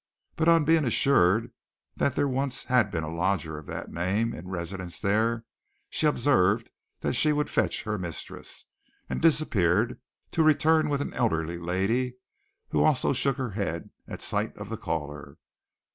But on being assured that there once had been a lodger of that name in residence there, she observed that she would fetch her mistress, and disappeared to return with an elderly lady who also shook her head at sight of the caller.